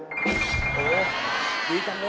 โถดีจังเลย